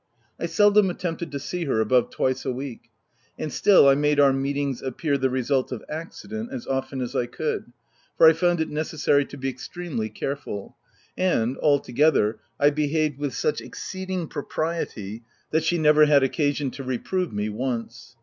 I seldom attempted to see her above twice a week ; and still I made our meetings appear the result of accident as often as I could — for I found it necessary to be extremely care ful — and, altogether, I behaved with such ex 190 THE TENANT ceeding propriety that she never had occasion to reprove me once.